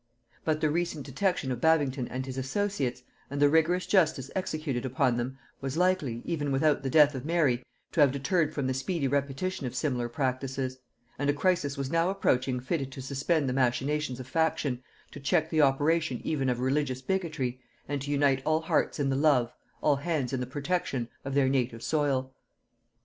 But the recent detection of Babington and his associates, and the rigorous justice executed upon them, was likely, even without the death of Mary, to have deterred from the speedy repetition of similar practices; and a crisis was now approaching fitted to suspend the machinations of faction, to check the operation even of religious bigotry, and to unite all hearts in the love, all hands in the protection, of their native soil.